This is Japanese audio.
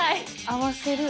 合わせる。